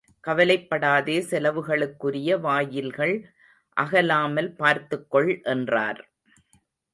கவலைப்படாதே செலவுகளுக்குரிய வாயில்கள் அகலாமல் பார்த்துக் கொள் என்றார்.